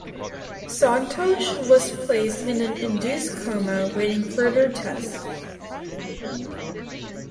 Santosh was placed in an induced coma awaiting further tests.